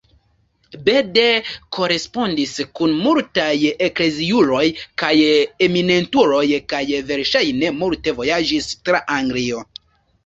Bede korespondis kun multaj ekleziuloj kaj eminentuloj, kaj verŝajne multe vojaĝis tra Anglio.